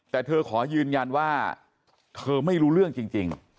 แต่เธอขอยืนยันว่าเธอไม่รู้เรื่องจริง